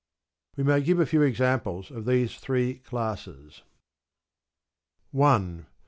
We may give a few examples of these three classes: — I.